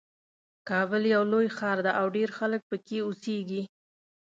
کابل یو لوی ښار ده او ډېر خلک پکې اوسیږي